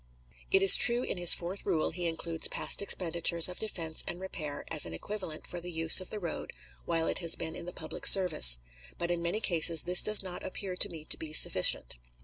It is true in his fourth rule he includes past expenditures of defense and repair as an equivalent for the use of the road while it has been in the public service, but in many cases this does not appear to me to be sufficient.